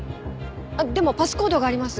あっでもパスコードがあります。